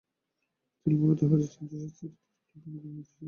তিনি মূলত হাদিস ও তাফসীর শাস্ত্রের তৎকালীন অন্যতম শ্রেষ্ঠ পণ্ডিত ছিলেন।